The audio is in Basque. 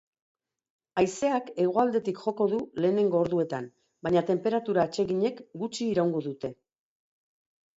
Haizeak hegoaldetik joko du lehenengo orduetan, baina tenperatura atseginek gutxi iraungo dute.